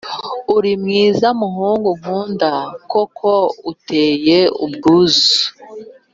Uri mwiza, muhungu nkunda, koko uteye ubwuzu.